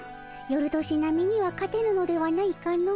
よる年波には勝てぬのではないかの。